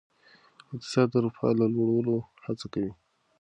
اقتصاد د رفاه لوړولو هڅه کوي.